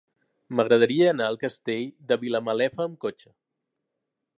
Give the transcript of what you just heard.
M'agradaria anar al Castell de Vilamalefa amb cotxe.